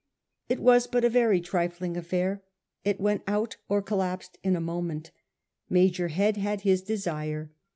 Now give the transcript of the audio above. It was but a very trifling affair ; it went out or collapsed in a moment. Major Head had his desire.